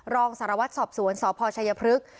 รองสารวัตรสอบสวนสพชัยพฤกษ์